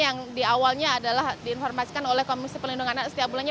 yang di awalnya adalah diinformasikan oleh komisi pelindungan anak setiap bulannya